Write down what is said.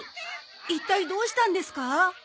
一体どうしたんですか？